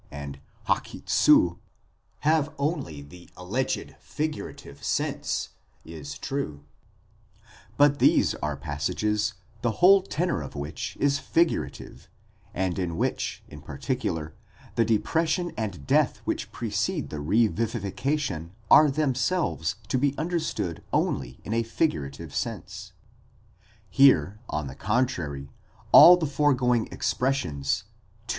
and y"P have only the alleged figurative sense, is true; but these are passages the whole tenor of which is figurative, and in which, in particular, the depression and death which precede the revivification are themselves to be understood only in a figurative sense, Here, on the contrary, all the foregoing expressions: παραδίδοσθαι, κατακρίν εσθαι, σταυροῦσθαι, ἀποκτείνεσθαι x. τ. r.